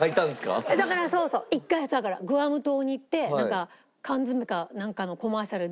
そうそう一回だからグアム島に行って缶詰かなんかのコマーシャルで。